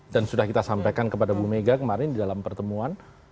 dan sudah kita sampaikan kepada bu mega kemarin di dalam pertemuan